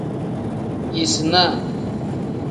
Yisinaa.